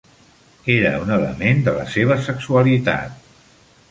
Era un element de la seva sexualitat.